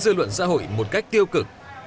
dư luận xã hội một cách tiêu cực